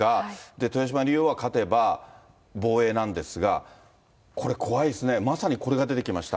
豊島竜王が勝てば防衛なんですが、これ、怖いですね、まさにこれが出てきました。